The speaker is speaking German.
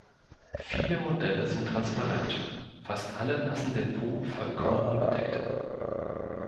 Viele Modelle sind transparent, fast alle lassen den Po vollkommen unbedeckt.